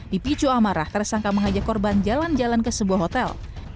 di picu amarah tersangka mengajak korban jalan jalan ke sebuah hotel